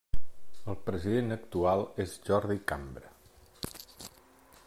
El president actual és Jordi Cambra.